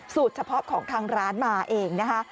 เฉพาะของทางร้านมาเองนะคะ